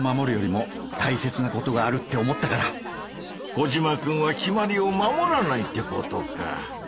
コジマくんは決まりを守らないってことか。